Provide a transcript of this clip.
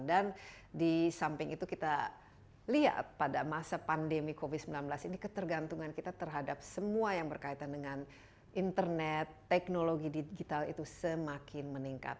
dan di samping itu kita lihat pada masa pandemi covid sembilan belas ini ketergantungan kita terhadap semua yang berkaitan dengan internet teknologi digital itu semakin meningkat